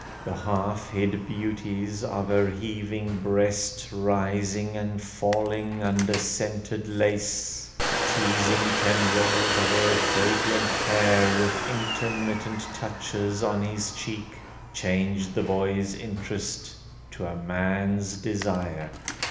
The half hid beauties of her heaving breast Rising and falling under scented lace, The teasing tendrils of her fragrant hair, With intermittent touches on his cheek, Changed the boy's interest to a man's desire.